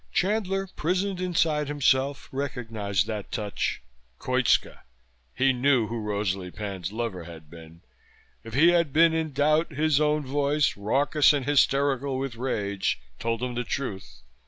Chandler, prisoned inside himself, recognized that touch. Koitska! He knew who Rosalie Pan's lover had been. If he had been in doubt his own voice, raucous and hysterical with rage, told him the truth.